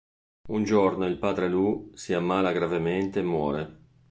Un giorno il padre Lou si ammala gravemente e muore.